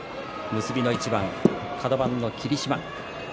結びの一番、カド番の霧島。